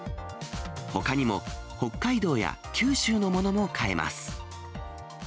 ほかにも、北海道や九州のものも買えます。